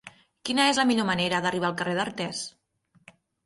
Quina és la millor manera d'arribar al carrer d'Artés?